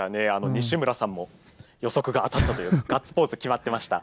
西村さんも予測が当たったというガッツポーズ決まっていました。